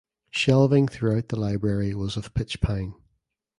Shelving throughout the library was of pitch pine.